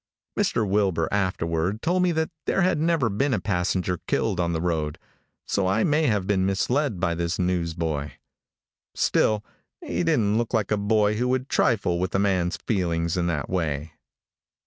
Mr. Wilbur afterward told me that there had never been a passenger killed on the road, so I may have been misled by this newsboy. Still, he didn't look like a boy who would trifle with a man's feelings in that way.